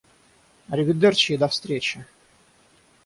Аривидерчи и до встречи!